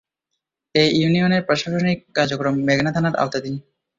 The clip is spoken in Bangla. এ ইউনিয়নের প্রশাসনিক কার্যক্রম মেঘনা থানার আওতাধীন।